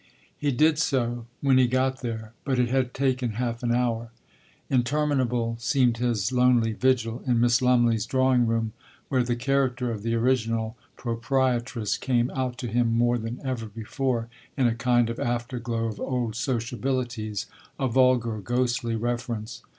He did so, when he got there, but it had taken half an hour. Interminable seemed his lonely vigil in Miss Lumley's drawing room, where the character of the original proprietress came out to him more than ever before in a kind of afterglow of old sociabilities, a vulgar, ghostly reference.